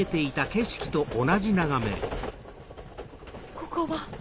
ここは。